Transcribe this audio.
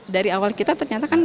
dari awal kita ternyata kan